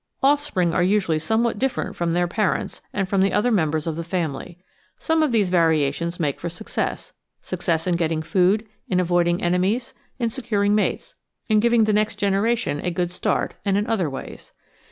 Offspring are usually somewhat different from their parents and from the other members of the family. Some of these variations make for success — success in getting food, in avoiding enemies, in securing mates, in giving the next generation a good start, and in other ways.